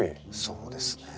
そうですね。